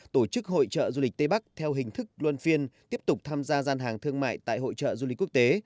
tổ chức hội trợ du lịch tây bắc theo hình thức luân phiên tiếp tục tham gia gian hàng thương mại tại hội trợ du lịch quốc tế